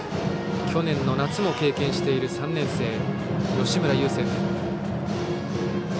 去年の夏も経験している３年生、吉村優聖歩。